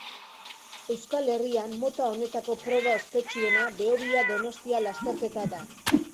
Euskal Herrian, mota honetako proba ospetsuena Behobia-Donostia lasterketa da.